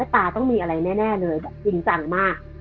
ตาต้องมีอะไรแน่นเลยจริงมาก